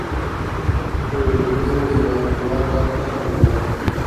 کویلیو یوه خپلواکه روحیه درلوده.